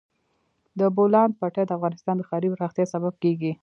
د بولان پټي د افغانستان د ښاري پراختیا سبب کېږي.